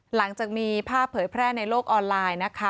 หลังจากมีภาพเผยแพร่ในโลกออนไลน์นะคะ